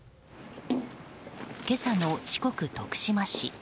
今朝の四国・徳島市。